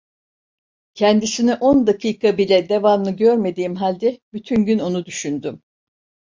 Kendisini on dakika bile devamlı görmediğim halde bütün gün onu düşündüm!